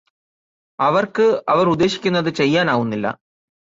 അവര്ക്ക് അവര് ഉദ്ദേശിക്കുന്നത് ചെയ്യാനാവുന്നില്ല